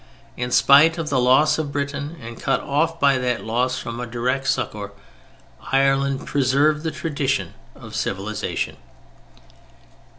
In spite of the loss of Britain, and cut off by that loss from direct succor, Ireland preserved the tradition of civilization.